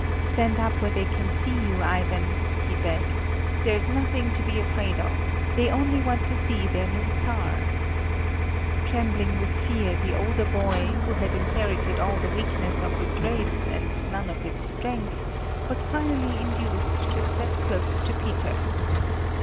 "Stand up where they can see you, Ivan!" he begged. "There's nothing to be afraid of. They only want to see their new Czar." Trembling with fear the older boy, who had inherited all the weakness of his race, and none of its strength, was finally induced to step close to Peter.